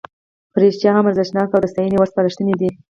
په رښتیا هم ارزښتناکه او د ستاینې وړ سپارښتنې دي.